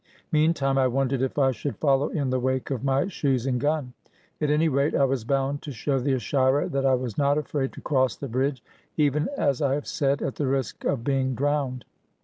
Meantime I wondered if I should follow in the wake of my shoes and gun. At any rate, I was bound to show the Ashira that I was not afraid to cross the bridge, even, as I have said, at the risk of being drowned.